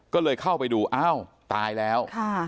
ก็เลยเข้าไปดูอ้าวตายแล้ว